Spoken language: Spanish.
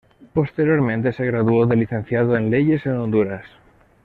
Posteriormente se graduó de licenciado en Leyes en Honduras.